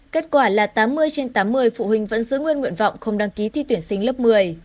kết quả là tám mươi trên tám mươi phụ huynh vẫn giữ nguyên nguyện vọng không đăng ký thi tuyển sinh lớp một mươi